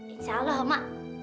insya allah oma